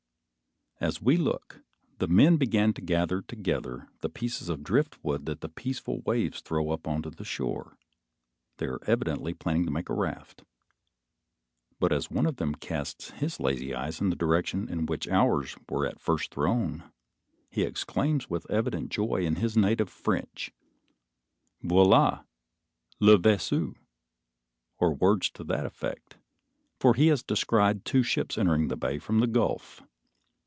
As we look, the men begin to gather together the pieces of drift wood that the peaceful waves throw up on to the shore. They are evidently planning to make a raft; but as one of them casts his lazy eyes in the direction in which ours were at first thrown, he exclaims with evident joy, in his native French "Voila les vaisseaux!" or words to that effect, for he has descried two ships entering the bay from the Gulf.